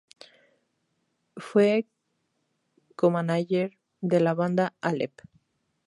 Fue co-manager de la banda Aleph.